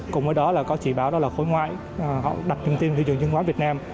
cùng với đó là có chỉ báo đó là khối ngoại họ đặt thông tin thị trường chứng khoán việt nam